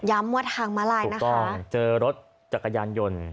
ย้ำว่าทางมาลายนะคะถูกต้องเจอรถจักรยานยนต์